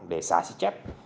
để xả xích chép